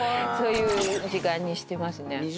そういう時間にしてますね。